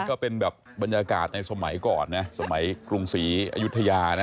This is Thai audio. ก็เป็นแบบบรรยากาศในสมัยก่อนนะสมัยกรุงศรีอายุทยานะ